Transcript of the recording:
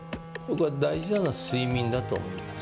大事なのは睡眠だと思います。